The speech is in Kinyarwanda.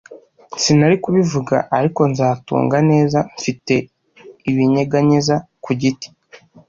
sinari kubivuga. Ariko nzatunga neza, Mfite ibinyeganyeza ku giti.